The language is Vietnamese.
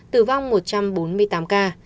tử vong một trăm bốn mươi tám ca